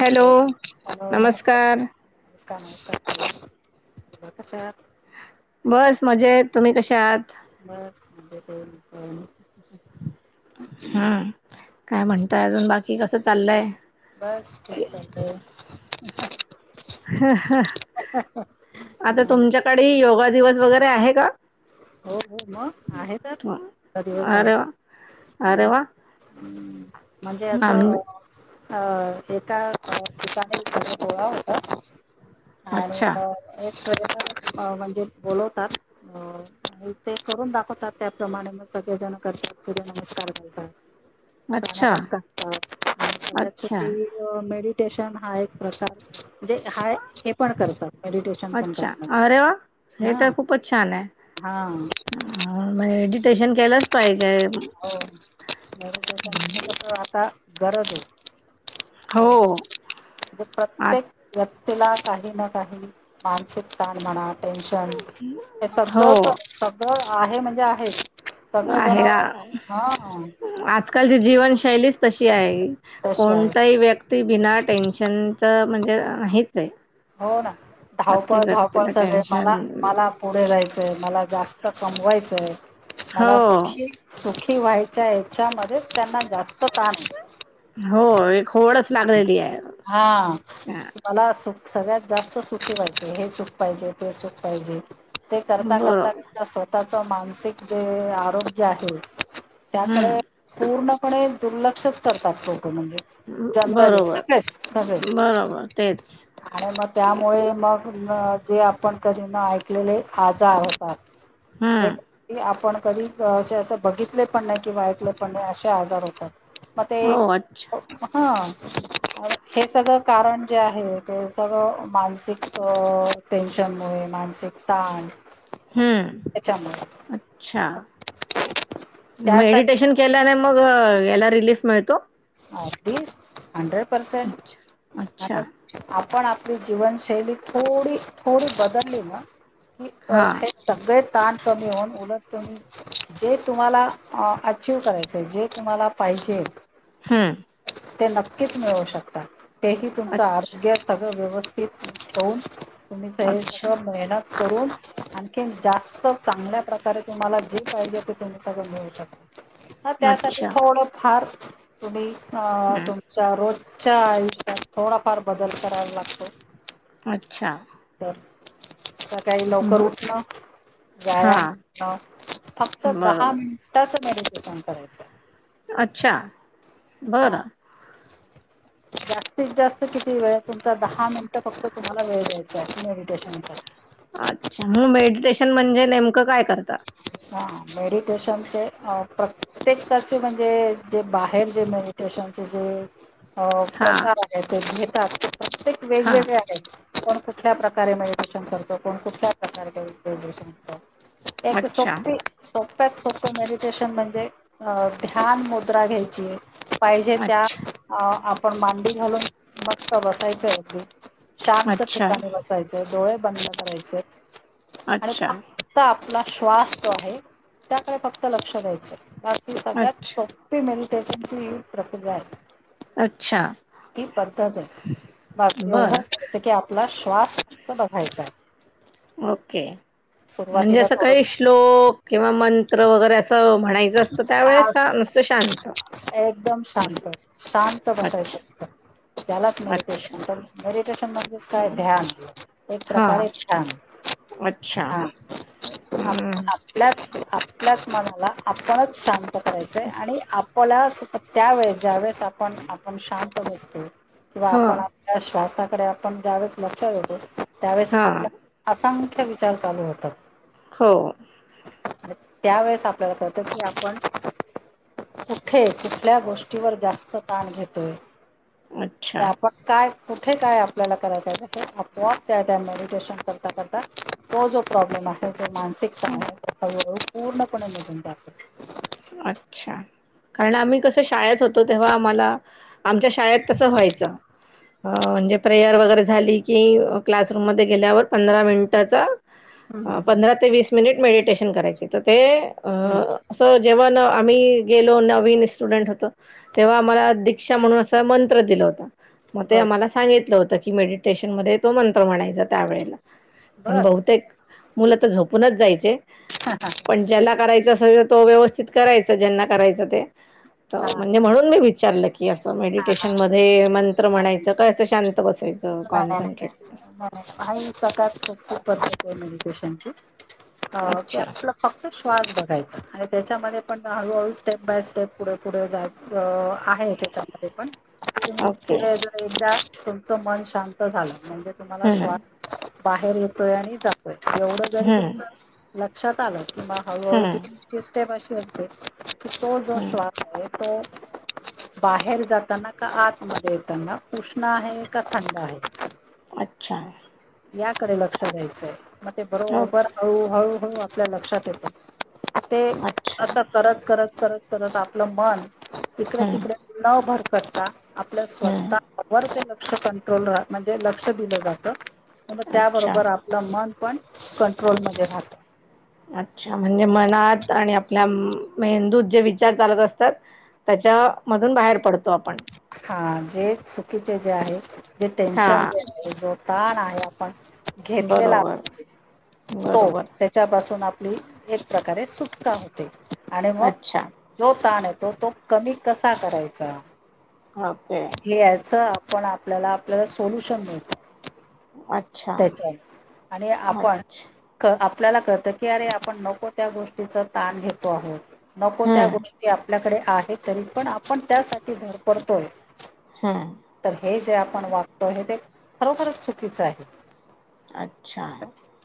Hello hello sir नमस्कार! नमस्कार नमस्कार स बस म्हजेत तुम्ही कसे आहात? बस म्हजेत आहे मी पण हम्म काय म्हणतय अजून बाकी कसं चाललंय. बस ठीक आहे तर. आता हा तुमच्याकडे योगा दिवस वगैरे आहे का. हो हो मग आहे तर दिवस आहे. अरे वा अरे ह् वा म्हणजे आम असं. अ एका ठिकाणी गोळा होता. आणि अच्छा एक म्हणजे बोलवतात अ. ते करून दाखवतात त्याप्रमाणे मग सगळे जण करतात सूर्यनमस्कार घालतात. अच्छा सा वाजताातळ्यात अच्छा छटी. [inaudible] मेडिटेशन हा एक प्रकारणे हा पण करतात मेडिटेशन पण करतात ह. तो छान आहे. हा म मेडिटेशन केलंच पाहिजे.. हो म्ह आता गरज आहे. हो ह म्हणजे आत प्रत्येक. व्यक्तीला काही ना काही मानसिक ताण म्हणा. टेन्शन हे हो सगळंच सगळं आहे म्हणजे आहे सगळेजण. आहे हा आजकालची जीवनशैलीच तशी आहे तशी आहे कोणताही व्यक्ती ती बिना टेन्शनचं म्हणजे नाहीच आहे. हो ना धावपळ प्रत्येक धावपळ व्यक्तीला सगळे टेन्शन मला. मला पुढे जायचंय मला जास्त कमवायचंय मला हो सुखी सुखी व्हायच्या याच्यामध्येच त्यांना जास्त ताण आहे हो एक होडच लागलेली ये. हा. मला सुख सगळ्यात जास्त सुखी व्हायचे. हे सुख पाहिजे ते सुख पाहिजे. ते करता बरो करता त्यां स्वतःच मानसिक जे आरोग्य आहे. त्याकडे हम्म पूर्णपणे दुर्लक्षच करतात हो ते म्हणजे जनरली बरोबर. सहच सहळेच. बरोबर तेच आणि म त्यामुळे मग म जे आपण कधी न ऐकलेले आजार होतात. [unintelligible] हम्म. की आपण कधी असे असं बघितले पण नाही किंवा ऐकलं पण नाही असे आजार होतात. म ते हो एक अच्छा हा हे सगळं कारण जे आहे ते सगळं मानसिक अ टेन्शनमुळे मानसिक ताण हम्म त्याच्यामुळे अच्छा त्यासाठी मेडिटेशन केल्याने मग याला रिलीफ मिळतो. अगदी हंड्रेड पर्सेंट अच्छा अच्छा आता आपण आपली जीवनशैली थोडी थोडी बदलली ना की अ हां ते सगळे ताण कमी होऊन उलट तुम्ही जे तुम्हाला अ अचीव करायचंय जे तुम्हाला पाहिजे हम् ते नक्कीच मिळू शकतात तेही तुमचं अच्छा आरोग्य सगळं व्यवस्थित होऊन तुम्ही स अच्छा. सगळं मेहनत करून आणखी जास्त चांगल्या प्रकारे तुम्हाला जे पाहिजे ते तुम्ही सगळं मिळवू शक हा त्यासाठी अच्छा थोडं फार तुम्ही अ हं तुम च्या रोजच्या आयुष्यात थोडाफार बदल करायला लागतो. अच्छा तर सकाळी लवकर मग उठणं. व्यायाम हां हा फक्त दहा बरोबर मिनि टाच मेडिटेशन करायचंय. अच्छा हा बरं जास्तीत जास्त किती वेळ तुमचा दहा मिनटं फक्त तुम्हाला वेळ द्यायचा आहे मेडिटेशनसाठी अच्छा मग मेडिटेशन म्हणजे नेमकं काय करता. हा मेडिटेशनचे प्रत्येकचे म्हणजे जे बाहेर जे मेड देशांचे जे अ हां प्रकार आहे ते घेतात ते प्रत्येक हां वेगवेगळे आहेत. कोण कुठल्या प्रकारे मेडिटेशन करतो कोण कुठल्या प्रकारे मेडटेशन करतो. एक अच्छा सक्ती सोपप्यात सोपपं मेडिटेशन म्हणजे अ ध्यान मुद्रा घ्यायची. पाहिजे त्या अच्छा आपण मांडी घालून मस्त बसायचय अगदी शांत अच्छा ठिकाणी बसायचे डोळे बंद करायचे आणि अच्छा फक्त आप आपला श्वास जो आहे त्याकडे फक्त लक्ष द्यायचय बाकी सगळ्यात अच्छा सोप मेडिटेशनची ही प्रक्रिया आहे. अच्छा ही पद्धत आहे बाकी बरं एवढाच करांयच की आप आपला श्वासत फक्त बघायचाय. ओके म्हणजे सुरुवातीला असं थोडस काही श्लोक किंवा मंत्र वगैरे असं म्हणाय असत त्यावेळेस का आस नुसतं शांत एकदम बस शांत शांत बसायचं अच्छा असतं. त्यालाच अच्छा मेडिटेशन म्हणता मेडिटेशन म्हणजेच काय ध्यान एक हां प्रकारे ध्यान अच्छा हा आपण हं आपल्याच आपल्याच मनाला आपणच शांत करायचं आहे आणि आपलाच फ त्यावेळेस ज्यावेेळेस आपण आपण शांत बसतो किंवा हां आपण श्वासाकडे आपण ज्यावेेळेस लक्षात देतो त्यावेेळेस हां आपल्या असा मुख्य विचार चालू होतात. हो. त्यावेेळेस आपल्याला कळतं की आपण कुठे कुठल्या गोष्टीवर जास्त ताण घेतोय अच्छा आपण काय कुठे काय आपल्याला करायचचं आहे आपोआप त्या त्या मेडिटेशन करता करता. तो जो प्रॉब्लेम आहे तो हं. मानसिकताण आहे तो हळूहळू पूर्णपणे निघून जातो. अच्छा कारण आम्ही कसं शाळेत होतो तेव्हा आम्हाला आमच्या शाळेत तस व्हायच असं म्हणजे प्रेयर वगैर झाली. क्लासूम म गेल्या पं मिन हम्म हम्म हम्म. पंरा ते व मि मेडटेशन कराय तर ते अ, अच्ा. जेव्हा आम्ही गेलो नवीन स्टुडंट होतो. तेव्हा आम्हाला दीक्षा म्हणून असा मंत्र दिला होता. मग ते बर आम्हाला सांगितलं होतं की मेडिटेशन मध्ये तो मंत्र म्हणायचा त्यावेळेला पण बर बहुतेक मुलं आ तर झोपूनच जायचे. हा हा. पण ज्याला करायचं असेल तर तो व्यवस्थित करायचा ज्यांना करायचं ते तर हा. म्हणजे म्हणून मी विचारलं की असं मेडिटेशन मध्ये मंत्र म्हणायचं काय असं शांत बसायचं. नाही नाही नाही कॉनट्रेट नाही नाही आणि सळत खूप गरज आहे मेडटेशनची आप अच्छा फक्त श्वास बघायचा आणि त्याच्यामध्ये पण हळूहळू स्टेप बाय स्टेप पुढे पुढे आहे त्याच्यामध्ये पण तम ओके पुढे एकदा तुमचं मन शांत झालं म्हणजे तुम्हाला हम्म श्वास बाहेर येतोय आणि जातोय एवढं जरी हम्म तुमच लक्षात आलं कि म हळूहळू हम्म तची स्टेप अशी असते की तो जो हम्म श्वास आहे तो बाहेर जाताना का आतमध्ये येताना उष्ण आहे का थंड आहे. अच्छा. याकडे लक्ष द्यायचंय मग ते बरोबर ओके हळू हळू हळू आपल्या लक्षात येते ते अच्छा असं करत करत करत करत. आपलं मन तिकडे हम्म तिकडे न भरकटता आपल्या हम्म स्वतः वर ते लक्ष कंट्रोल म्हणजे लक्ष दिलं जात अच्छा त्याबरोबर लमन पण कंट्रोलमध्ये राहतं. अच्छा म्हणजे मनात आणि आपल्या मेंदूत जे विचार चालत असतात. त्याच्या मधून बाहेर पडतो आपण हा जे चुकीचे जे आहे जे हा टेन्शन जे आहे जो ताण आहे आपण घेतलेला बरोबर असतो बरोबर तो च्या पासून आपली एक प्रकारे सुटका होते आणि मग अच्छा जो ताण येतो तो कमी कसा करायचा. ओके. याच आपण आपल्याला आपल्याला सोल्युशन मिळतो. अच्छा त्याच्या आणि आपण अच्छ आपल्याला कळतं की अरे आपण नको त्या गोष्टीच ताण घेतो आहोत नको त्या हं, गोष्ट आपल्याकडे आहे तरी पण आपण त्यासाठी धरपडतोय. हा. तर हे जे आपण वागतो हे ते खरोखरच चुकीचं आहे. अच्छा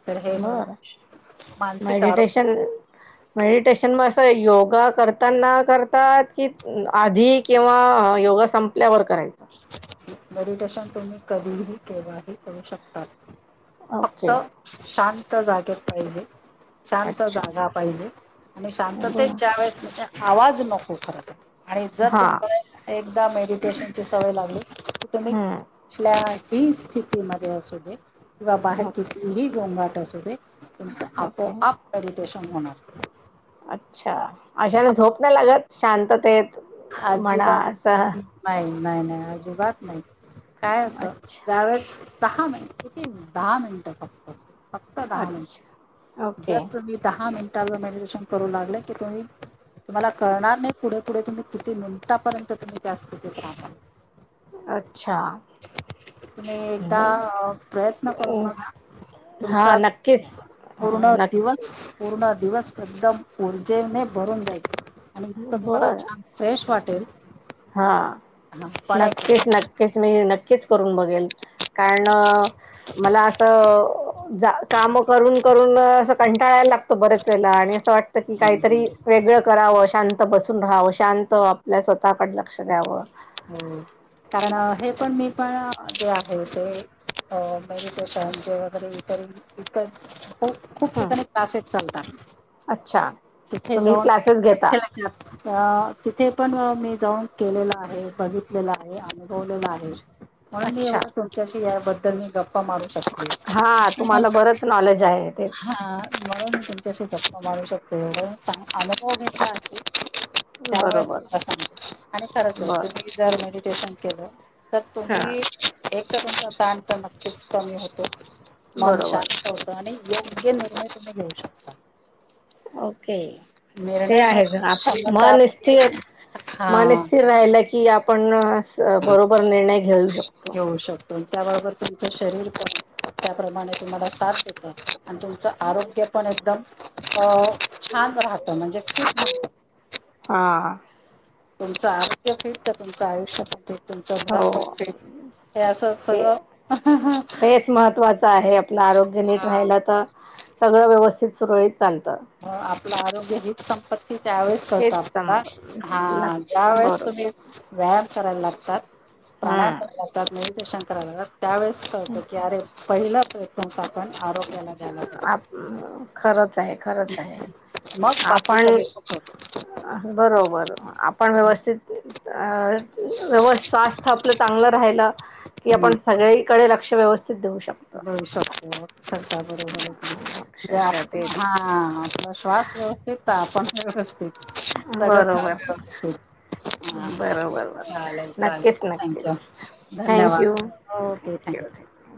तर हे बर मेडि मानसिक आरोग्य मेडिटेशन मेडिटेशन म असं योगा करताना करतात की आधी किंवा योगा संपल्यावर करायच. मेडिटेशन तुम्ही कधीही केव्हाही करू शकतात. फक्त ओके. शांत जागेत पाहिजे. शांत अच्छा. जागा पाहिली आणि शांततेत बरं. ज्या वेळेस म्हणजे आवाज नको करत आहे. आणि जर हां. तुम्हाला एकदा मेडिटेशनची सवय लागली तर तुम्ही हं. कल्या हि स्थितीमध्ये असू दे किंवा बाहेर ओके, किती ही गोघाट असू दे तुमच ओके. आपोआ मेडिटेशन होणार. अच्छा अशाने झोप नाही लागत शांततेत म्हणा असं अजिबात नाही नाही नाही, अजिबात नाही काय असं अच्छा, ज्यावेेळेस दहा मिनटती दहा मिनिट फक्त फक्त दहा अच्छा. Minute okay. जर तुम्ही दहा मिनिटांवर मेडिटेशन करू लागले की तुम्ही तुम्हाला कळणार नाही पुढे पुढे तुम्ही किती मिनिटापर्यंत तुम्ही त्या स्थितीत राहता? अच्छा! तुम्ही एकदा बरं. प्रयत्न करून बघा. हा तुमचा नक्कीच हा पूर्ण नक् दिवस पूर्ण दिवस एकदम ऊर्जेने भरून जायच आणि इतकं तुम्हाला बर छान फ्रेश वाटेल. हा हा पण एक नक्कीच नक्कीच मी नक्कीच करून बघेल. कारण मला आता काम करून करून असं कंटाळायला लागत. बर्याच वेळे ला आणि असं वाटत की काहीतरी वेगळं करावं शांत बसून राहावं शांत आपल्या स्वतःकडे लक्ष द्यावं. हो कारण हे पण मी पण जे आहे ते अशचे वगैरे इतर इत खूप हं ठिकाणी क्लासेस चालतात. अच्छा तिथे तुम्ही जाऊन क्लासेस घेता. अ तिथे पण मी जाऊन केलेला आहे. बघितलेलं आहे अनुभवलेला आहे म्हणून मी अच्छा एवढं तुमच्याशी याबद्दल मी गप्पा मारू शकता. हा तुम्हाला बरंच नॉलेज आहे ते हा म्हणून मी तुमच्याशी गप्पा मारू शकते ए सां अनुभव मी का असे. त्यामुळे बरोबर तम्हाला सांग आणि खरंच आहे बर तुम्ही जर मेडिटेशन केलं. तर हां तुम्ही एक तुमचा ताण तर नक्कीच कमी होतो मन बरोबर शांत होत. आणि योग्य निर्णय तुम्ही घेऊ शकता. ओके ते निर्णय आहेच घ्यायची क्षमता मन स्थिर मन हा स्थिर राहिला की आपण बरोबर निर्णय घेऊ शकतो. त त्याच्याबरोबर तुमचं शरीर पण त्या प्रमाणे तुम्हाला साथ देतात. आणि तुमचं आरोग्य पण एकदम अ छान राहतं म्हणजे ठीक हा तुमचं आरोग्य फिट तर तुमचं आयुष्य पण फिट तुमचं घर पण हो फिट. हे असं ते सगळं तेच महत्त्वाचं आहे आपलं आरोग्य नीट राहाला तर सगळं व्यवस्थित सुरळीत चालतं. हो आपलं आरोग्य ह संपत्त त्यावेेळेस करत हेच आपला सम हा नक्की ज्या वेळेस तुम्ही बरोबर व्यायाम करायला लागतात प्रणायम करायला हम्म लागतात निर्देशन करायला लागतात. त्यावेळेस कळत की अरे पहिला प्रेफरन्स आपण आरोग्याला द्याला पाहिजे. आप खरंच आहे, खरच आहे मग बाकी आपण सगळे सुख होतं बरोबर आपण व्यवस्थित व्यव स्वास्थ आपलं चांगलं राहिलं कि आपण सगळीकडे लक्ष व्यवस्थित देऊ शकतो. देऊ शकतो ससा बरोबर म्हणजे हा अक्षरशः [unintelligible] तेच हा आप श्वास व्यवस्थित आपण व्यवस्थित सगळं खा बरोबर व्यवस्थित हा बरोबर बरोबर चालेल चालेल नक्कीच थँक्यू नक्कीच थँक्यू धन्यवाद ओके थँक्यू थक्यू. थँक्यू